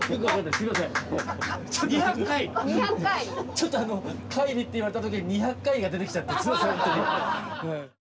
ちょっとあの海里って言われた時に２００海里が出てきちゃってすいませんホントに。